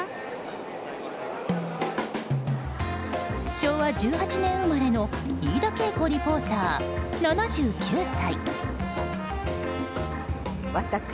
昭和１８年生まれの飯田圭子リポーター、７９歳。